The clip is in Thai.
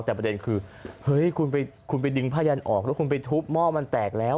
แต่ประเด็นคือเฮ้ยคุณไปดึงผ้ายันออกแล้วคุณไปทุบหม้อมันแตกแล้ว